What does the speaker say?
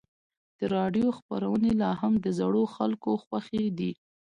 د راډیو خپرونې لا هم د زړو خلکو خوښې دي.